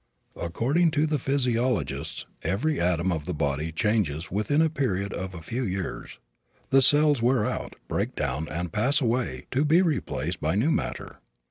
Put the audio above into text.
According to the physiologists every atom of the body changes within a period of a few years. The cells wear out, break down and pass away to be replaced by new matter.